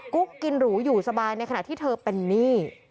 กุ๊กกินหรูอยู่สบายในขณะที่เธอเป็นหนี้